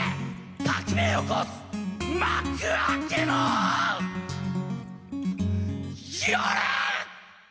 「革命起こす幕開けの夜」